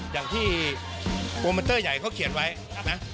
อย่างที่โปรเมนเตอร์ใหญ่เขาเขียนไว้นะ